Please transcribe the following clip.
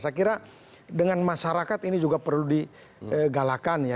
saya kira dengan masyarakat ini juga perlu digalakan ya